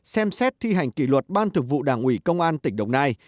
ba xem xét thi hành kỷ luật ban thường vụ đảng ủy công an tỉnh đồng nai